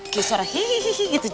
kayak suara hehehe gitu